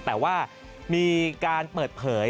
แต่ว่ามีการเปิดเผย